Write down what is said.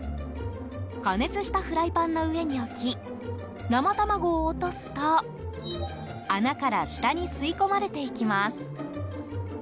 加熱したフライパンの上に置き生卵を落とすと穴から下に吸い込まれていきます。